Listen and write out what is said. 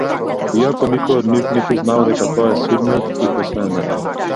Иако никој од нив ниту знаел дека тоа е судниот и последен ден.